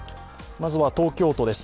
まずは東京都です。